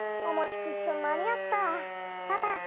おもちクッションまにあった。